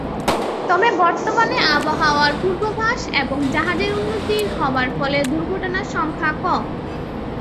তবে বর্তমানে আবহাওয়ার পূর্বাভাস এবং জাহাজের উন্নতি হবার ফলে দুর্ঘটনার সংখ্যা কম।